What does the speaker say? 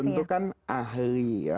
itu kan ahli